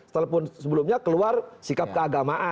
telepon sebelumnya keluar sikap keagamaan